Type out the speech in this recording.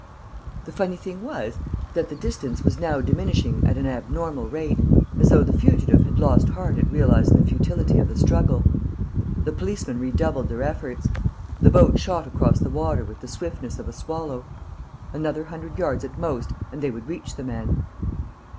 The funny thing was that the distance was now diminishing at an abnormal rate, as though the fugitive had lost heart at realizing the futility of the struggle. The policemen redoubled their efforts. The boat shot across the water with the swiftness of a swallow. Another hundred yards at most and they would reach the man.